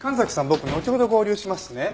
僕のちほど合流しますね。